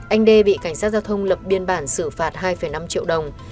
anh đê bị cảnh sát giao thông lập biên bản xử phạt hai năm triệu đồng